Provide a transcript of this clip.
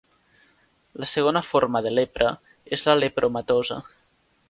La segona forma de lepra és la "lepromatosa".